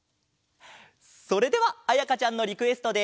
それではあやかちゃんのリクエストで。